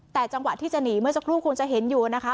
แต่จังหวะที่จะหนีเมื่อสักครู่คุณจะเห็นอยู่นะคะ